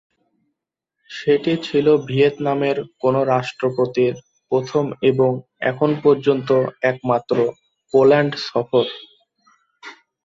সেটি ছিল ভিয়েতনামের কোন রাষ্ট্রপতির প্রথম এবং এখন পর্যন্ত একমাত্র পোল্যান্ড সফর।